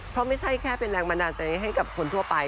เพราะไม่ใช่แค่เป็นแรงบันดาลใจให้กับคนทั่วไป